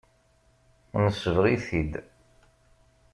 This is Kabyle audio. Nesbeɣ-it-id.